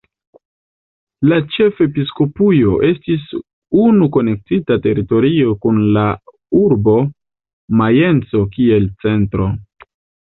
La "ĉefepiskopujo" estis unu konektita teritorio kun la urbo Majenco kiel centro.